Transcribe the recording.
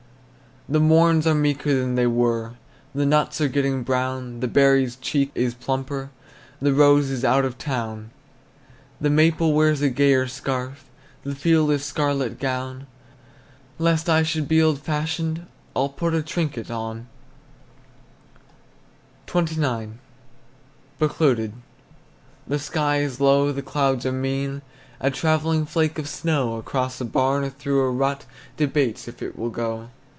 The morns are meeker than they were, The nuts are getting brown; The berry's cheek is plumper, The rose is out of town. The maple wears a gayer scarf, The field a scarlet gown. Lest I should be old fashioned, I'll put a trinket on. XXIX. BECLOUDED. The sky is low, the clouds are mean, A travelling flake of snow Across a barn or through a rut Debates if it will go.